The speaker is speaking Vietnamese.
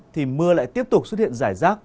thì mưa lại tiếp tục xuất hiện rải rác